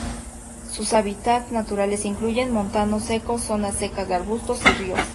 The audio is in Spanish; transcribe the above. Sus hábitats naturales incluyen montanos secos, zonas secas de arbustos y ríos.